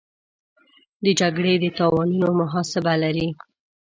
د جګړې د تاوانونو محاسبه لري.